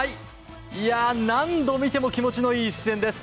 何度見ても気持ちのいい一戦です。